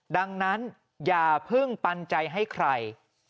ดังนั้นอย่าเพิ่งปันใจให้ใคร